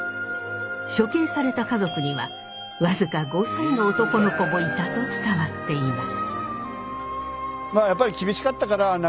処刑された家族には僅か５歳の男の子もいたと伝わっています。